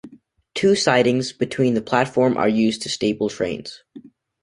Two sidings between the platforms are used to stable trains.